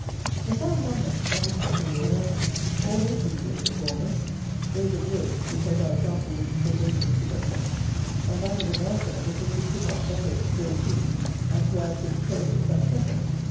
The foreign governments (not excepting the American) all hate the English Reformers; those of Europe, because our example would be so dangerous to despots; and that of America, because we should not suffer it to build fleets and to add to its territories at pleasure.